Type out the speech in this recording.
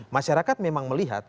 masyarakat memang melihat